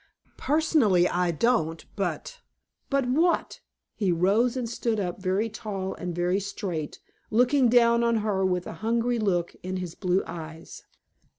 "Personally I don't, but " "But what?" He rose and stood up, very tall and very straight, looking down on her with a hungry look in his blue eyes.